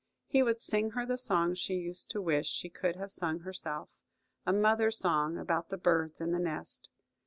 He would sing her the song she used to wish she could have sung herself–a mother's song about the birds in the nest.